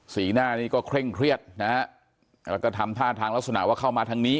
สีหน้านี้ก็เคร่งเครียดนะฮะแล้วก็ทำท่าทางลักษณะว่าเข้ามาทางนี้